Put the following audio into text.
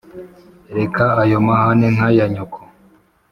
Reka ayo mahane nka ya nyoko